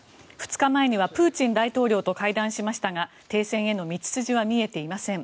２日前にはプーチン大統領と会談しましたが停戦への道筋は見えていません。